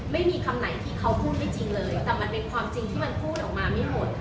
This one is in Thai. ไม่มีคำไหนที่เขาพูดไม่จริงเลยแต่มันเป็นความจริงที่มันพูดออกมาไม่หมด